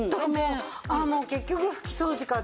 ああもう結局拭き掃除かって。